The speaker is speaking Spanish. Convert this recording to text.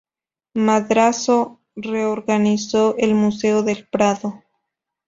Madrazo reorganizó el Museo del Prado.